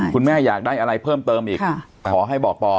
อยากได้อะไรเพิ่มเติมอีกขอให้บอกปอ